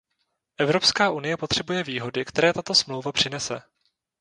Evropská unie potřebuje výhody, které tato Smlouva přinese.